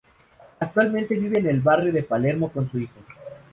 Actualmente vive en el barrio de Palermo con su hijo.